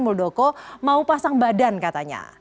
muldoko mau pasang badan katanya